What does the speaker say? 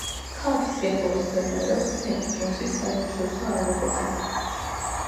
ქალაქის სიახლოვეს მდებარეობს სენტ-ჯონზის საერთაშორისო აეროპორტი.